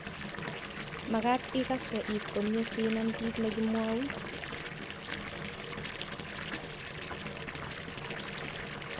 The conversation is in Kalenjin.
Mekat ikaste iit komye siinam kiit ne kimwoun